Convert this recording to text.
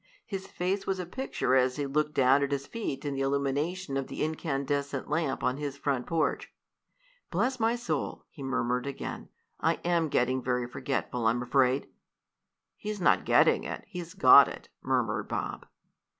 His face was a picture as he looked down at his feet in the illumination of the incandescent lamp on his front porch. "Bless my soul!" he murmured again. "I am getting very forgetful, I'm afraid." "He's not getting it he's got it!" murmured Bob.